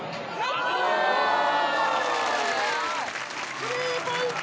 スリーポイント！